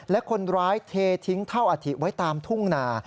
และคนร้ายเททิ้งเท่าอาถิไว้ตามทุ่งนา